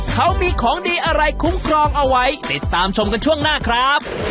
เขามีของดีอะไรคุ้มครองเอาไว้ติดตามชมกันช่วงหน้าครับ